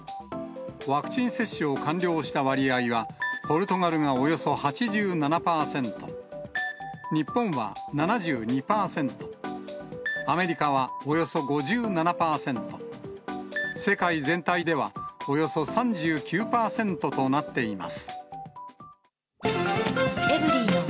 ワクチン接種を完了した割合は、ポルトガルがおよそ８７％、日本は７２％、アメリカはおよそ５７％、世界全体ではおよそ３９％となっています。